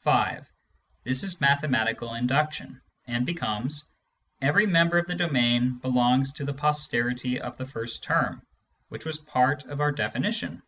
(5) This is mathematical induction, and becomes :" Every member of the domain belongs to the posterity of the first term," which was part of our definition.